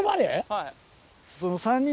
はい。